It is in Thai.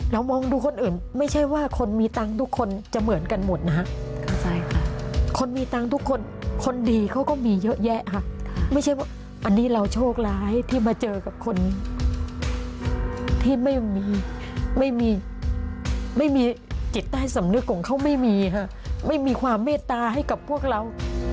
มองดูคนอื่นไม่ใช่ว่าคนมีตังค์ทุกคนจะเหมือนกันหมดนะฮะเข้าใจค่ะคนมีตังค์ทุกคนคนดีเขาก็มีเยอะแยะค่ะไม่ใช่ว่าอันนี้เราโชคร้ายที่มาเจอกับคนที่ไม่มีไม่มีจิตใต้สำนึกของเขาไม่มีค่ะไม่มีความเมตตาให้กับพวกเรา